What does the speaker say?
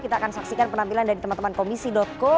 kita akan saksikan penampilan dari teman teman komisi co